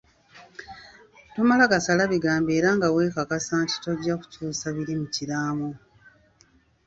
Tomala gasala bigambo era nga weekakasa nti tojja kukyusa biri mu kiraamo.